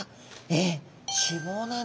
えっ！